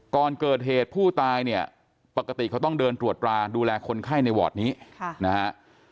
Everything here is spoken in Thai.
ก่อนเกิดเหตุผู้ตายเนี่ยปกติเขาต้องเดินตรวจราดูแลคนไข้ในวอร์ดนี้นะฮะ